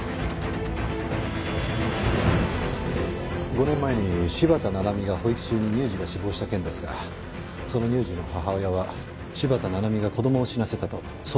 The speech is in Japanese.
５年前に柴田七海の保育中に乳児が死亡した件ですがその乳児の母親は柴田七海が子供を死なせたと相当責めたみたいです。